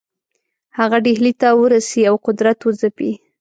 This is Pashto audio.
هغه ډهلي ته ورسي او قدرت وځپي.